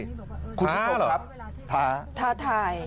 ท้าหรือครับท้าท้าถ่าย